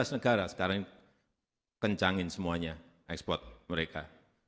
sembilan belas negara sekarang ini kencangkan semuanya ekspor mereka